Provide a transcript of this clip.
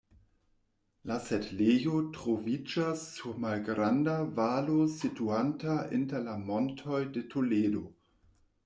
La setlejo troviĝas sur malgranda valo situanta inter la Montoj de Toledo.